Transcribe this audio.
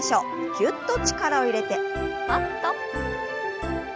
ぎゅっと力を入れてパッと。